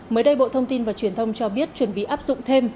mới đây bộ thông tin và truyền thông cho biết chuẩn bị áp dụng thêm